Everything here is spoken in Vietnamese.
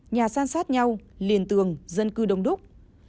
nhà san sát nhau liền tường dân cư đông đúc